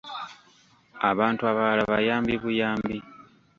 Abantu abalala bayambi buyambi.